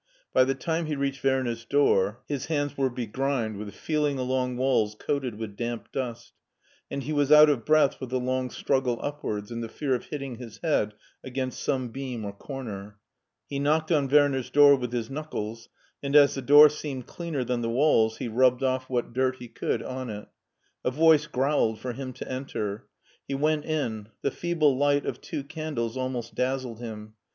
By the time he reached Werner's door his hands were begrimed with feeling along walls coated with damp dust, and he was out of breath with the long struggle upwards and the fear of hitting his head against some beam or comer. He knocked on Werner's door with his knuckles, and as the door seemed cleaner than the walls he rubbed off what dirt he could on it. A voice growled for him to enter. He went in. The feeble light of two candles almost dazzled him.